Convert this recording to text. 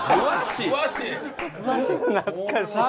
懐かしい！